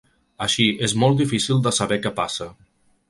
Així és molt difícil de saber què passa.